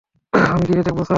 আমি গিয়ে দেখবো, স্যার?